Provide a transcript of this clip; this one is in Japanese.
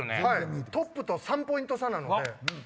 トップと３ポイント差なので。